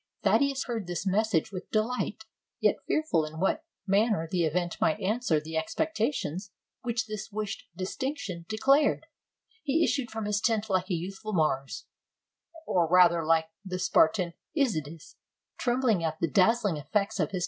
Thaddeus heard this message with dehght ; yet fearful in what manner the event might answer the expectations which this wished distinction declared, he issued from his tent like a youthful Mars — or rather like the Spar tan Isadas — trembling at the dazzling effects of his 152 POLAND OR RUSSIA?